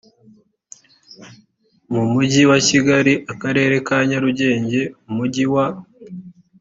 mu mugi wa kigali akarere ka nyarugenge umujyi wa